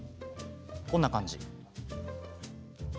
こんな感じです。